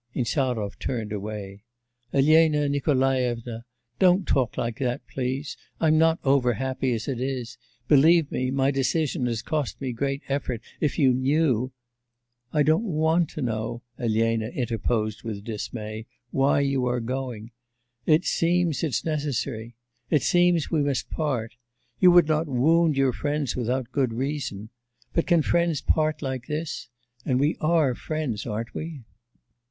Insarov turned away. 'Elena Nikolaevnas don't talk like that, please. I'm not over happy as it is. Believe me, my decision has cost me great effort. If you knew ' 'I don't want to know,' Elena interposed with dismay, 'why you are going.... It seems it's necessary. It seems we must part. You would not wound your friends without good reason. But, can friends part like this? And we are friends, aren't we?